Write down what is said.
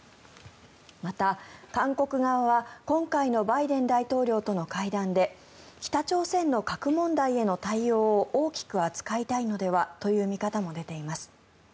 また、韓国側は今回のバイデン大統領との会談で北朝鮮の核問題への対応を大きく扱いたいのではという見方も出ています。